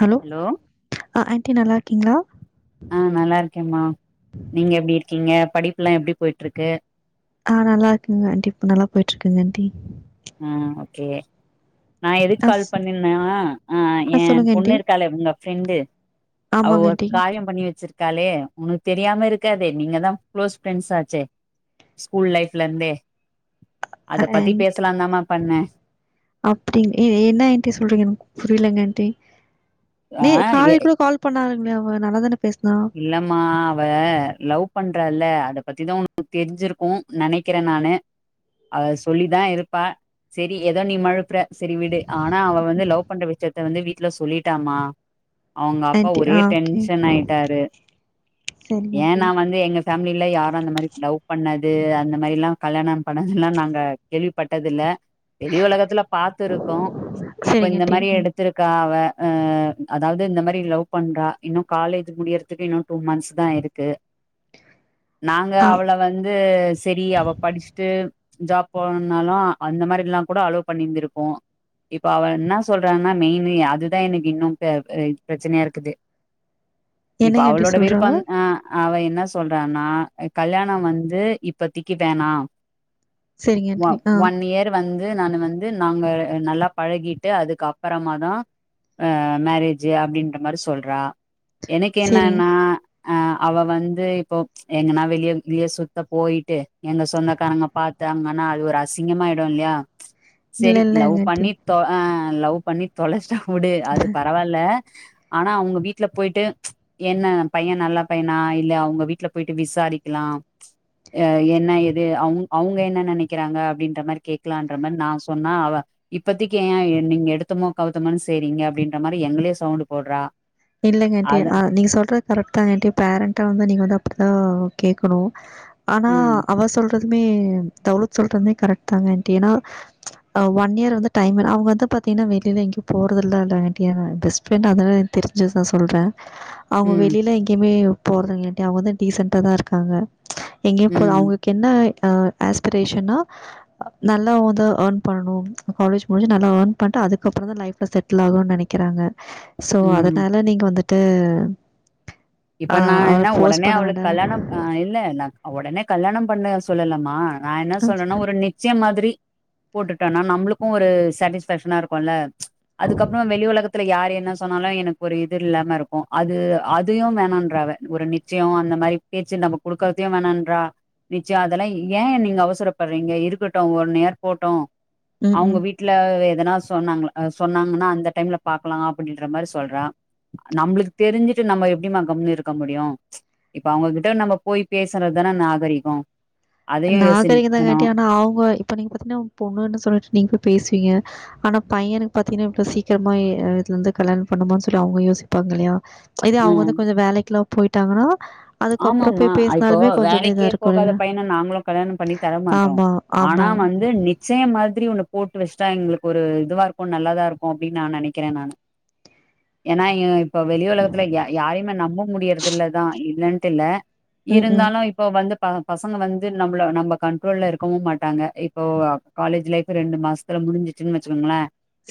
Hello அ aunty நல்லா இருக்கீங்ளா அ நல்லா இருக்கேம்மா நீங்க எப்டி இருக்கீங்க படிப்புல்லா எப்டி போய்ட்ருக்கு ஆ நல்லா இருக்கங்க அண்டி இப்ப நல்லா போய்ட்ருக்குங்க அன்டி ம் ஓகே நா எதுக்கு ஆ கால் சொ- பண்ணனா ஆ எ சொல்லுங்க ஆண்டி பொண்ணு இருக்காலே உங்க ஃப்ரெண்டு அவ ஆமாங்க ஒரு ஆண்டி காரியம் பண்ணி வச்சிருக்காலே உனக்கு தெரியாம இருக்காதே நீங்க தா க்ளோஸ் ஃப்ரெண்ட்ஸ் ஆச்சே ஸ்கூல் லைப்ல இருந்தே அத பத்தி பேசலான்தாமா பண்ணே அப்டி எ என்ன அன்டி சொல்றீங்க எனக்கு புரிலங்க அன்டி ஆ நே எ காலைல கூட கால் பண்ணாளுங்களே அவ நல்லா தான பேசுனா இல்லமா அவ லவ் பண்றால்ல அத பத்திதா உனக்கு தெரிஞ்சிருக்கு நனைக்கிற நானு அ சொல்லிதா இருப்பா சேரி ஏதோ நீ மழுப்புற சரி விடு ஆனா அவ வந்து லவ் பண்ற விஷயத்த வந்து வீட்ல சொல்லிட்டாமா அவங்க அப்பா ஆண்டி ஒரே ஆ ஓகே டென்ஷன் ஆயிட்டாரு சரிங்க ஆண்டி ஏன்னா வந்து எங்க ஃபேமிலில யாரு அந்த மாரி லவ் பண்ணது அந்த மாரிலா கல்யாணம் பண்ணதுல்லா நாங்க கேள்விப்பட்டதுல்ல வெளி உலகத்துல பாத்து இருக்கோ இப்போ சரிங்க இந்த ஆண்டி மாரி ம் எடுத் திருக்கா அவ அ அதாவது இந்த மாரி லவ் பண்றா இன்னு காலே ஜ் முடியறதுக்கு இன்னு டூ மன்ஸ் தா இருக் கு நாங்க ஆ அவள வந்து சேரி அவ படிச்சிட்டு ஜாப் போணும்னாலு அந்த மாரி எல்லா கூட அலோ பண்ணிந்திருப்போ இப்போ அவ என்ன சொல்றான்னா மெய்னு அதுதா எனக்கு இன்னு பே பிரச்சனையா இருக்குது இப்ப என்னங்க ஆண்டி அவளோட சொல்கிறா அவ விருப்பம் அ அவ என்ன சொல்றானா கல்யாணோ வந்து இப்பத்திக்கு வேணா சரிங்க நா ஆண்டி ஆ ஒன் இயர் வந்து நானு வந்து நாங்க நல்லா பழகிட்டு அதுக்கு அப்பறமா தா அ மரேஜு அப்டின்ற மாரி சொல்றா எனக்கு சரிங்க என்னன்னா அ அவ வந்து இப்போ எங்கனா வெளிய கிழிய சுத்த போயிட்டு எங்க சொந்தக்காரங்க பாத்தாங்கன்னா அது ஒரு அசிங்கமாயிடுல்லையா இல்லை சரி லவ் இல்லைங்க ஆண்டி பண்ணி தொ அ லவ் பண்ணி தொலச்சிட்டா வுடு அது பரவால்ல ஆனா அவங்க வீட்ல போய்ட்டு என்ன பைய நல்லா பையனா இல்ல அவங்க வீட்ல போய்ட்டு விசாரிக்கலா அ என்ன ஏது அவ் அவங்க என்ன நெனைக்கிறாங்க அப்டின்ற மாரி கேக்கலான்ற மாரி நா சொன்னா அவ இப்பத்திக்கு ஏ நீங்க எடுத்தமோ கவுத்தமோனு செய்ரிங்க அப்டின்ற மாரி எங்களயே சவுண்ட்டு போடுறா இல்லங்க அண்டி ஆ நீங்க சொல்ற கரெக்ட் தா அன்டி பேரண்டா வந்து நீங்க வந்து அப்படிதா கேக்கணு ஆனா ம் அவ சொல் துமே தவ்லத் சொல்றதுமே கரெக்ட் தாங்க அன்டி ஏன்னா [inaudible] ஆ ஒன் இயர் வந்து டைம் அவங்க வந்து பாத்தீங்கனா வெளியவே எங்கேயு போறதுல்லல்ல ஆன்டி பெஸ்ட் ஃப்ரெண்ட் அதனால தெரிஞ்சது தா சொல்றே அவுங்க ம் வெளியில எங்கேயுமே போறதில்லடி அவுங்கதா டீசென்ட்டா தா இருக்காங்க எங்கேயும் போ ம் அவுங்க என்ன அ ஆஸ்பிரேஷனா நல்லா வந்து ஏர்ன் பண்ணனும் காலேஜ் முடிஞ்சு நல்லா ஏர்ன் பண்ட்டு அதுக்கப்புறோ தா லைஃப்ல செட் செட்லாகனு நனைக்கிறாங்க சோ ம் அதனால நீங்க வந்துட்டு அ இப்ப நா அவள என்ன ஃபோர்ஸ் ஒடனே பண்ண அவளுக்கு வேண்டான்னு கல்யாணம் ஆ இல்ல நா ஒடனே கல்யாணம் பண்ண சொல்லலமா நா என்ன சொல்றன்னா ஒரு நிச்சியம் மாதிரி போட்டுட்டோன்னா நம்பளுக்கும் ஒரு சாட்டிஸ்ஃபேக்க்ஷனா இருக்குல்ல அதுக்கப்புறோ வெளி உலகத்துல யாரு என்ன சொன்னாலு எனக்கு ஒரு இது இல்லாம இருக்கு அது அது அதையு வேணான்றா அவ ஒரு நிச்சயோ அந்த மாரி பேச்சு நம்ப குடுக்கறதையு வேணான்றா நிச்சயோ அதெல்லா ஏ நீங்க அவசரப்படுறீங்க இருக்கட்டு ஒன் இயர் போட்டு ம் அவுங்க ம் வீட் வீட்ல எதனா சொன்னாங்ளா அ சொன்னாங்கன்னா அந்த டைம்ல பாக்கலா அப்படின்ற மாரி சொல்றா நம்பளுக்கு தெரிஞ்சுட்டு நம்ம எ ப்டிமா கம்னு இருக்க முடியு இப்ப அவுங்ககிட்ட நம்ப போய் பேசுறது தான நாகரிகோ நாகரிகங்கதாங்காட்டி ஆனா அவுங்க இப்ப நீங்க பாத்தீங்கன்னா உங்க பொண்ணுன்னு சொல்லிட்டு நீங்க போய் பேசுவீங்க ஆனா பையனுக்கு பாத்தீங்கன்னா இவ்ளோ சீக்கிரமா இ இது வந்து கல்யாணம் பண்ணுமா சொல்லி அவுங்க யோசிப்பாங்க இல்லையா இதே அவுங்க ம் வந்து கொஞ்சோ வேலைக்குல்ல போயிட்டாங்கன்னா அதுக்கப்புறம் ஆமங்மா போய் இப்போ பேசினாலுமே கொஞ்சம் வந்து இதா வேலைக்கே இருக்கும் போகாத இல்லையா பையன நாங்களும் கல்யாணம் பண்ணி தர மாட்டோ ஆமா ஆனா ஆமா வந்து நி ச்சயம் மாதிரி ஒன்னு போட்டு வச்சிட்டா எங்களுக்கு ஒரு இதுவா இருக்கும் நல்லதா இருக்கு அப்டின்னு நா நனைக்கிறே நானு ஏன்னா இப்ப வெளி உலகத்துல ய யாரையுமே நம்ப முடியறது இல்லதா இல்லன்னு துல்ல ம் ம் இருந்தாலும் இப் இப்போ வந்து ப பசங்க வந்து நம்பள நம்ம கண்ட்ரோல்ல இருக்கவு மாட்டாங்க இப்போ காலேஜ் லைஃப் ரெண்டு மாசத்துல முடிஞ்ச்சின்னு வச்சுக்கோங்கள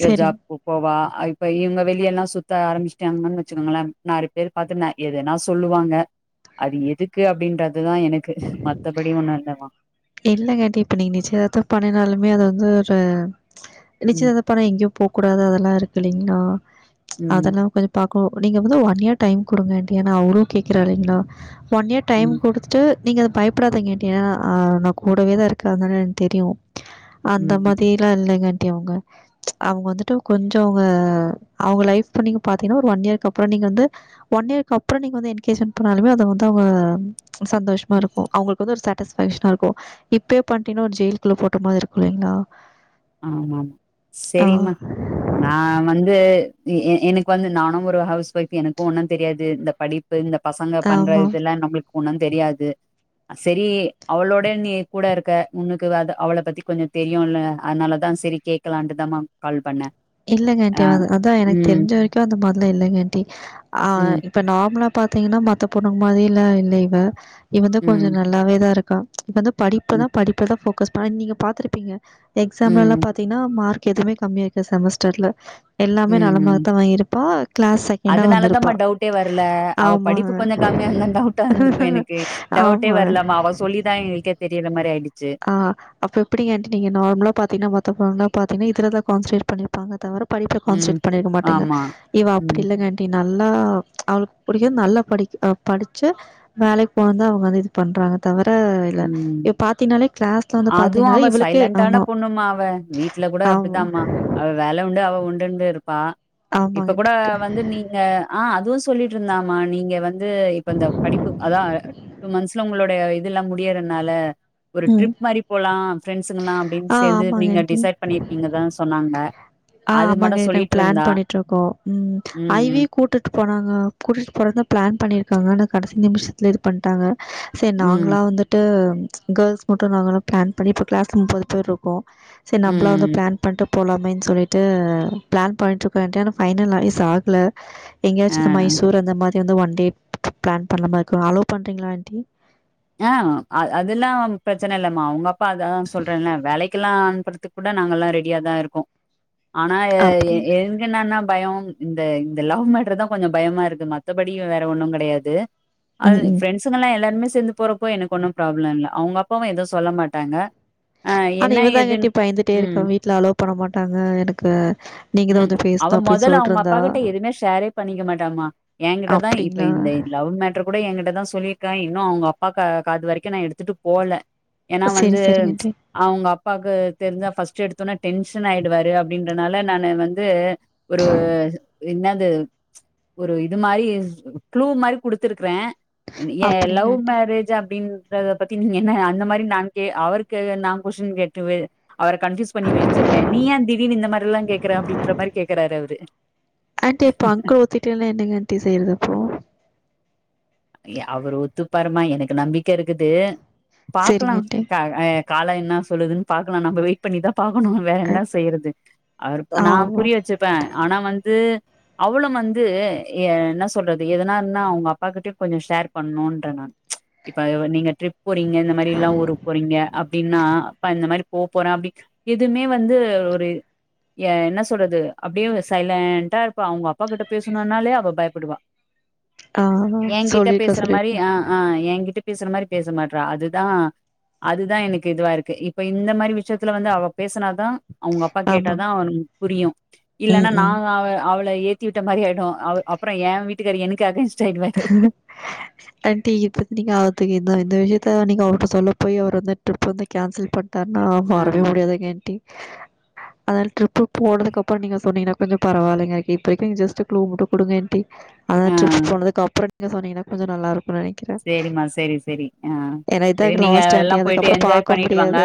இவ ஜாப் சரிங்க போவா இப்ப இவுங்க வெளியல்லா சுத்த ஆரம்பமிச்சுட்டாங்கன்னு வச்சுக்கோங்கள நாலு பேர் பாத்து எதுனா சொல்லுவாங்க அது எதுக்கு அப்டின்றதுதா எனக்கு மத்தபடி ஒண்ணு இல்ல மா இல்லங்க ஆன்ட்டி இப்ப நீங்க நிச்சயதார்த்தம் பண்ணினாலுமே அது வந்து ஒரு ம் நிச்சயத அப்பனா எங்கேயு போ கூடாது அதெல்லா இருக்கு இல்லைங்களா ம் அதெல்லா கொஞ்சோ பாக்கோ நீங்க வந்து ஒன் இயர் டைம் கொடுங்க ஆன்டி ஏன்னா அவரு கேக்குறால்லிங்களா ஒன் இயர் டைம் ம் குடுத்து ட்டு நீங்க அத பயப்படாதீங்க ஆன்டி ஏன்னா அ நா கூடவே தா இருக்காங்கனு எனக்கு தெரியு அந்த ம் மாதில்லா இல்லைங்காண்ட்டி அவுங்க அவுங்க வந்துட்டு கொஞ்சோ அ அவுங்க லைஃப நீங்க பாத்தீங்கன்னா ஒரு ஒன் இயர்க்கு அப்புறோ நீங்க வந்து ஒன் இயர்க்கு அப்புறோ நீங்க வந்து என்கேஜ்மெண்ட் பண்ணாலுமே அது வந்து அவுங்க சந்தோஷ மா ம் இருக்கு அவுங்களுக்கு வந்து ஒரு சாட்டிஸ்ஃபேக்க்ஷனா இருக்கு இப்பே பண்ணீடீங்கனா ஒரு ஜெயிலுக்குள்ள போட்ட மாரி இருக்கு இல்லைங்களா ஆமாமா ஆ செரிம்மா நா வந்து எ எ எனக்கு வந்து நானு ஒரு ஹவுஸ் ஒய்ஃப் எனக்கு ஒன்னு தெரியாது இந்த படி ப்பு இந்த பசங்க பண்ற ஆமாம் இதெல்லா நம்பளுக்கு ஒண்ணு தெரியாது சரி அவளோட நீ கூட இருக்க உன்னக்குவாது அவள பத்தி கொஞ்சோ தெரியுல்ல அதனாலதா சரி கேட்கலான்ட்டுதாமா கால் பண்ண இல்லங்கஆன்ட்டி ஆ அதா எனக்கு ம் தெரிஞ்ச வரைக்கு அந்தமாரிலா இல்லங்க ஆன்ட்டி ஆ ம் இப்ப நார்மலா பாத்தீங்கன்னா மத்த பொண்ணுங்க மாரில்ல இல்ல இவ இவ வந்து கொஞ்சோ ம் நல்லாவேதா இரு கா இப்ப வந்து ம் படிப்புதா படிப்புதா ஃபோகஸ் பண்ண நீங்க பாத்ருப்பீங்க எக்ஸாம்லலா ம் பா த்தீங்கன்னா மார்க் எதுவுமே கம்மியா இருக்காது செமஸ்டர்ல எல்லாமே ம் ம் நல்லமார்க்த்தா வாங்கிருப்பா கிளாஸ் செகெண்டா அதனாலதாம்மா வந்திருப்பா டவுட்டே வரல. அவ ஆமா படிப்பு கொஞ்சம் கம்மியா இருந்தா டவுட்டா இருந்திருக்கு எனக்கு டவுட்டே ஆமா வரலாமா அவ சொல்லிதா எங்களுக்கே தெரியற மாரி ஆயிடுச்சு ஆ அப்போ எப்டிங்க ஆண்டி நீங்க நார்மலா பாத்தீங்கனா மத்தங்கள பாத்தீங்கன இதுல தா கான்சட்ரேட் பண்ணி பாங்க தவிர படிப்புல ம். கான்சரேட் பண்ணிருக்க மாட்டிங்க ஆமா. இவ அப்டி ம். இல்லங்க அப்டி நல்லா அவளுக்கு புடிக்கு நல்லா படிக் படிச்ச வேலைக்கு போனுந்தா அந்த இது பண்றாங்க தவிர இல்ல ம். இ பாத் பத்தினாலே கிளாஸ்ல வந்து அதுவும் பாத்தீனாலே அவ இவளுக்கே சைலண்டான ஆமா பொண்ணுமா அவ. வீட்ல கூட ஆமா அப்படிதாம்மா. அவ வேல உண்டு அவ உண்டுன் இருப்பா இப்போ ஆமாங்க கூட ஆன்ட்டி வந்து நீங்க ஆ அதுவு சொல்லிட்டு இருந்தாமா நீங்க வந்து இப்ப இந்த படிப்பு அதா டூ மந்த்ஸ்ல உங்களோடய இதெல்லா முடியறனால ஒரு ம் ட்ரிப் மாரி போலா ஃப்ரெண்ட்ஸுங்கலா அப்டின் ஆ சேந்து ஆமாங்க நீங்க ஆன்ட்டி டிசைட் பண்ணிருக்கீங்கதா சொன்னாங்க ஆ அது ஆமாங்க மட்டும் நாங்க சொல்லிட்டு பிளான் இருந்தா. பண்ணிட்டு இருக்கோ ம் ஐவி ம் ம் கூட்டு கூப்ட்டு போனாங்க கூட்டிட்டு போறதா பிளான் பண்ணிருக்காங்கா ஆனா கடைசி நிமிஷத்துல இது பண்ணிட்டாங்க சரி நாங்களா ம் வந்துட்டு கேர்ள்ஸ் மட்டு நாங்களா பிளான் பண்ணி இப்போ கிளாஸ்ல முப்பது பேர் இருக்கோ செரி நம்மளா வந்து ம் பிளான் பண்ட்டு போலாமேன்னு சொல்லிட்டு பிளான் பண்ட்டு இருக்கோ ஆன்டி பைனல்லய்ஸ் ஆகல அ எங்கயாச்சு இந்த மைசூர் அந்த மாரி வந்து ஒன் டே பிளான் பண்ற மாரி இருக்கு அலோ பண்றிங்களா ஆண்ட்டி ஆ அதெல்லா பிரச்சன இல்லம்மா அவங்க அப்பா அதா சொல்றேன்ல்ல வேலைக்கெல்லா அனுப்பறதுக்கு கூட நாங்கள்ல்லா ரெடியா தா இருக்கோ ஆனா எ அப்படியா என் என்னனா பய இந்த லவ் மேட்டர் தா கொஞ்சோ பயமா இருக்கு மத்தபடி வேற ஒன்னு கெடையாது அது ம். ம். ஃப்ரண்ட்ஸ்சுங்களா எல்லாருமே சேந்துப் போறோப்போ எனக்கு ஒன்னு ப்ராப்ள இல்ல அவங்க அப்பாவு எதுவு சொல்ல மாட்டாங்க ஆ ஆனா என்ன இவதாங்க ஆண்டி ஏதுன் இப்ப பயந்துட்டே ம் இருக்க வீட்ல அலவ் பண்ண மாட்டாங்க எனக்கு நீங்க தான் ம் வந்து அவ பேசணும் அப்படின்னு மொதல்ல அவங்க அப்பா சொல்ட்டுருந்தா. கிட்ட எதுவுமே ஷேரே பண்ணிக்க மாட்டாமா ஏங்கிட்ட தா இப்ப அப்டிங்களா இந்த லவ் மேட்டர் கூட ஏங்கிட்டதா சொல்லிர்க்கா இன்னு அவங்க அப்பா க காது வரைக்கு நா எடுத்துட்டு போல எனா செரி வந்து செரிங்க ஆன்ட்டி அவுங்க அப்பாவுக்கு தெரிஞ்சா ஃபர்ஸ்ட் எடுத்தோன்ன டென்ஷன் ஆய்டுவாரு அப்டின்றனால நானு வந்து ஒருவு என்னது ஒரு இது மாரி க்ளூ மாரி குடுத்திருக்ற ன் ஏ லவ் அப்டிங்களா ஆன்ட்டி மேட் பிரேஜா பின்ன்றத பத்தி நீங்க என்ன அந்த மாரி நான் கே அவருக்கு நா கொஷ்டின் கேட்டு போய்ற அவர கன்ஃப்யூஸ் பண்ணி வச்சிருக்க நீ என் திடிர்னு இந்த மாரிலா கேக்கற அப்டின்ற மாரி கேக்கறாரு அவரு ஆண்டி இப்போ அங்கிள் ஒத்துக்கிரலான என்னங்க ஆண்ட்டி செய்யறது அப்போ யா அவரு ஒத்துப்பாருமா எனக்கு நம்பிக்க இருக்குது பாக்லா செரிங்க ஆன்ட்டி த அ கால என்னா சொல்லுதுன்னு பாக்கலா நம்ம வெயிட் பண்ணி தா பாக்கணு வேற அ என்ன செய்றது அவ நான் ஆமா புரிய வச்சு ப்பன் ஆனா வந்து அவளு வந்து என்ன சொல்றது எதனானா அவங்க அப்பா கிட்டயு கொஞ்சோ ஷேர் பண்ணும்ன்ற நான் இப்ப நீங்க ட்ரிப் போறீங்க இந்த மாரில்லா ஊருக்கு போறீங்க அப்டின்னா அப்ப இந்த மாரி போ போறே அப்படி எதுமே வந்து ஒரு எ என்ன சொல்றது அப்டியே சைலேண்டா இருப்பா அவங்க அப்பா கிட்ட பேசனுனாலே அவ பயப்படுவா ஆகா என்கிட்ட சொல்லிருக்கா பேசுற மாரி சொல்லிருக்கா ஆ ஆ ஏ கிட்ட பேசுற மாரி பேச மாட்றா அதுதா அதுதா எனக்கு இதுவா இருக்கு இப்ப இந்த மாரி விஷயத்துல வந்து அவ பேசுனாதா அவங்க அப்பா கேட்டாதா ஆமாங்க அவனுக் புரியு இல்லனா ம் நா ம் அ அவ அவள ஏத் திவிட்ட மாரி ஆய்டு அவ அப்பறோ ஏ வீட்டுக்காரு எனக்கு அகைண்ட்ஸ் ஆண்டி இப்பத்திக்கி அவர்ட்ட இந்த விஷயத்த நீங்க அவருட்ட சொல்ல போயி அவர் வந்து ட்ரிப் வந்து கேன்சல் பண் டாருன்னா ஆ, வறவே முடியாதுங்க ஆன்ட்டி அதன் ட்ரிப்பு போனதுக்கப்றோ நீங்க சொன்னீங்கனா கொஞ்சோ பரவலைங் ஆன்டி இப்பரைக்கு நீங்க ஜஸ்ட் க்ளூ மட்டு குடுங்க ஆன்டி அதா ஆ. ட்ரிப் போனதுக்கு அப்புறோ நீங்க சொன்னீங்கனா கொஞ்சோ நல்லா இருக்குன் நெனைக் சேரி மா செரி செரி ஆ ஏன்னா சேரி இதாங்க லாஸ்ட் ஆண்டி நீங்கல்லா போயிட்டு அதுக்கப்புறம் என்ஜாய் பாக்க பண்ணிட்டு வாங்க முடியாது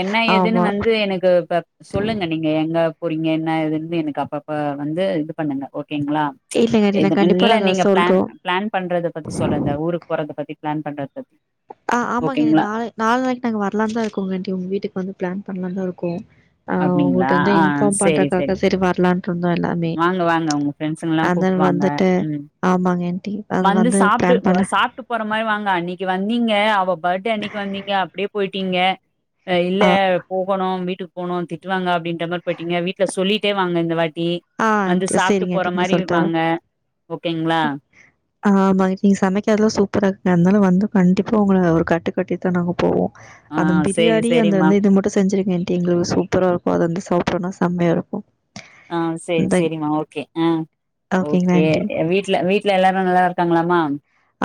என்ன ஏதுன்னு ஆமா வந்து எனக்கு இப்ப சொல்லுங்க நீங் க எங்க போறீங்க என்ன ஏதுனு எனக்கு அப்பப்ப வந்து இது பண்ணுங்க ஓகேங்ளா இல்லங்க ஆண்டி நாங்க எதுன் கண்டிப்பா இல்ல நாங்க நீங்க பிளான் சொல்றோம் பிளான் பண்றது பத்தி சொல்றந்த ஊருக்கு போறத பத்தி பிளான் பண்றத பத்தி ஆ ஆமாங்க ஓகேங்களா நாளை நாளனைக்கு நாங்க வரலா தா இருக்கோங் ஆண்ட்டி உங்க வீட்டுக்கு வந்து பிளான் பண்ணலா தா இருக்கோ அ அப்டிங்களா உங்குல்ட்ட வந்து ஆ இன்ஃபார்ம் சேரி பண்றக்காக சேரி வரலான்டு இருந்தோ எல்லாமே ப்ரெண்ட்ஸுங்கல்லா அண்ட் தென் கூப்ட்டுவாங்க வந்துட்டு ம் ஆமாங்க ஆன்ட்டி வந்து சாப்டு சாப்ட்டுப் போற மாரி வாங்க அன்னிக்கி வந்தீங்க அவ பர்த்டே அன்னிக்கி வந்தீங்க அப்டியே போயிட்டீங்க அ இல்ல ஆ போகணு வீட்டுக் போனோ திட்டுவாங்க அப்டின்ற மாரி போயிட்டீங்க வீட்ல சொல்லிட்டே வாங்க இந்த வாட்டி ஆ வந்து ஆண்டி, சாப்ட்டு சரிங்க போற ஆண்டி நான் மாரி சொல்ட்டு வரேன் வாங்க ஓகேங்ளா ஆமாங்க நீங்க சமைக்கரதெல்லா சூப்பரா இருக்குங்க அதனால வந்து கண்டிப்பா உங்கள ஒரு கட்டுக்கட்டி தா நாங்க போவோ ஆ அந்த சேரி பிரியாணி அந்த சேரிம்மா இந்த இது மட்டு செஞ்சிருங்க ஆன்ட்டு எங்களுக்கு சூப்பரா இருக்கு அத வந்து சாப்டோன்னா செம்மையா இருக்கும் ஆ செரி இந்த செரிமா ஓகே ஆ ஓகேங்களா ஓகே ஆன்ட்டி? வீட்ல வீட் ட்ல எல்லாரு நல்லாருக்காங்களாமா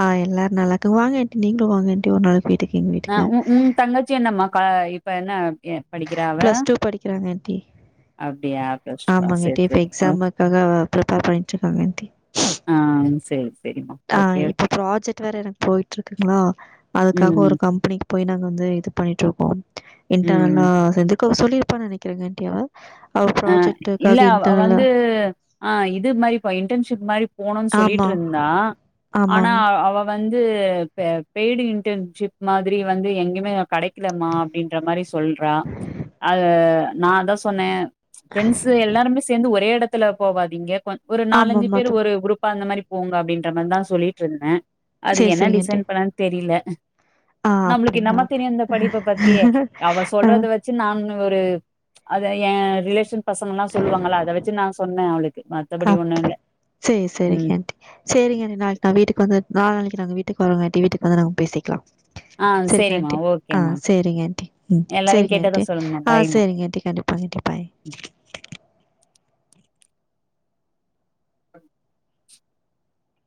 ஆ எல்லாரு நல்லார்காங்க வாங்க ஆண்டி நீங்களு வாங்க ஆன்ட்டி ஒரு நாள் வீட்டுக்கு எங்வீட் ஆ உ உம் தங்கச்சி என்னம்மா கா இப்ப என்ன படிக்கிறா அவ படிக்கிறாங்க ஆன்ட்டி. அப்டியா ப்ளஸ்டூவா ஆமாங்க சேர் ஆன்ட்டி. இப்ப செரி அ எக்ஸாமுக்காக ப்ரிப்பேர் பண்ணிட்டுருக்காங்க ஆன்ட்டி. ஆ செரி செரிமா ஆ இப்ப ப்ராஜெக்ட் வேற எனக்கு போயிட்ருக்குங்ளா அதுக்காக ஒரு ம் கம்பெனி போய் நாங்க வந்து இது பண்ணிட்ருக்கோ இன்டர்னலா ம் சேந்து க சொல்லிருப்பா நெனைக்கிறேங்க ஆன்ட்டி அவ அவ அ இல்ல ப்ராஜெக்ட்டுக்காக அவ இன்டர்னலா வந்து ஆ இது மாரி ப இன்டர்ன்ஷிப் மாரி போனோன் ஆமா சொல்லிட்ருந்தா ஆனா ஆமாங்க அவ வந்து பெ பெய்டு இன்டன்ஷிப் மாதிரி வந்து எங்கிமே கெடைக்கிலமா அப்டின்ற மாரி சொல்றா அத நா அதா சொன்ன ஃப்ரண்ட்ஸு எல்லாருமே சேந்து ஒரே எடத்துல போவாதீங்க கொஞ் ஒரு நாலஞ்சு ஆமாமா பேரு த ஒரு குரூப் பா அந்த மாரி போங்க அப்டின்ற மாரிதா சொல்லிட்ருந்தே அது சேரி என்ன சேரிங்க ஆன்ட்டி டிசைன் பண்ணான் தெரில ஆ நம்ளுக்கு அப்டிங்களா என்னாமா தெரியு இந்த படிப்ப பத்தி அவ ஆ சொல்றத வெச் சி நான் ஒரு அத ஏ ரிலேஷன் பசங்கலா சொல்லுவாங்களா அத வெச்சு நா சொன்னே அவளுக்கு மத்தபடி ஒண்ணு அப் இல்ல சேரி சேரிங்க உம் ஆன்ட்டி சேரிங்க ஆன்டி நாளைக்கு நா வீட்டுக்கு வந்து நாளனைக்கு நாங்க வீட்டுக்கு வரங்கண்ட்டி வீட்டுக்கு வந்து நாங்க பேசிக்லா ஆ செரிங்க சரிம்மா, ஆன்ட்டி ஆ ஓகேம்மா. சேரிங்க ஆன்ட்டி ம் எல்லாரும் செரிங்க கேட்டதா ஆன்ட்டி சொல்லுங்கம்மா. ஆ பாய்மா. சேரிங்க ஆன்ட்டி கண்டிப் பண்ணிட்டே பாய்